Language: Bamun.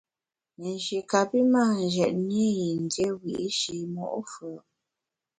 Nji kapi mâ njetne i yin dié wiyi’shi mo’ fù’.